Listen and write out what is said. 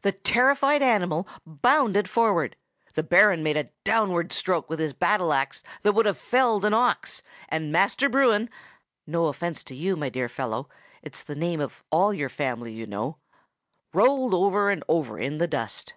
The terrified animal bounded forward; the Baron made a downward stroke with his battle axe that would have felled an ox, and Master Bruin (no offence to you, my dear fellow! it's the name of all your family, you know) rolled over and over in the dust.